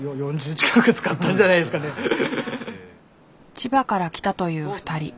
千葉から来たという２人。